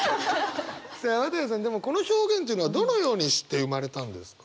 綿矢さんでもこの表現っていうのはどのようにして生まれたんですか？